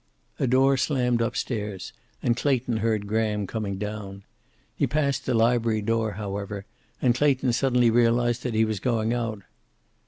A door slammed up stairs, and Clayton heard Graham coming down. He passed the library door, however, and Clayton suddenly realized that he was going out.